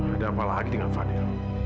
ada apalah lagi dengan fang deal